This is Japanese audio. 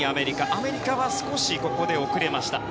アメリカは少しここで遅れました。